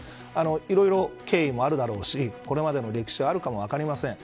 いろいろ経緯もあるだろうしこれまでの歴史はあるかも分かりません。